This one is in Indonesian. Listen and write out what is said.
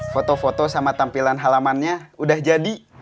foto foto sama tampilan halamannya udah jadi